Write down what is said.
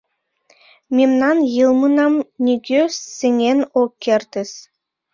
Мемнан йылмынам нигӧ сеҥен ок кертыс.